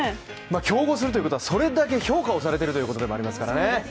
競合するということはそれだけ評価をされてるということでもありますからね。